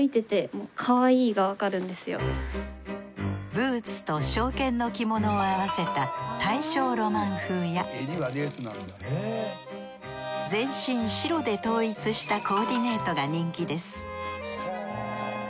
ブーツと正絹の着物を合わせた大正ロマン風や全身白で統一したコーディネートが人気です